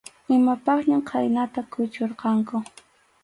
Imapaqñam khaynata kuchurqanku.